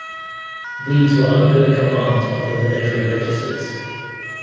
These were under the command of the military registers.